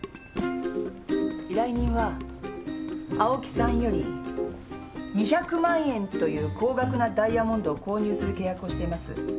依頼人は青木さんより２００万円という高額なダイヤモンドを購入する契約をしています。